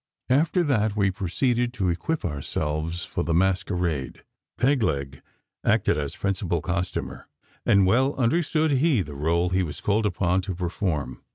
After that we proceeded to equip ourselves for the masquerade. Peg leg acted as principal costumier; and well understood he the role he was called upon to perform.